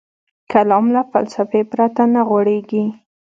کلام له فلسفې پرته نه غوړېږي.